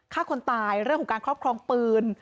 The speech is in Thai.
ฆ่าคนตายเรื่องของการครอบครองปืน